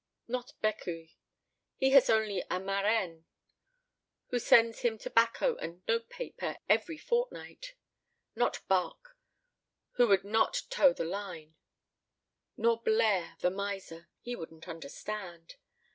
Not Becuwe, he has only a marraine [note 1:] who sends him tobacco and note paper every fortnight. Not Barque, who would not toe the line; nor Blaire, the miser he wouldn't understand.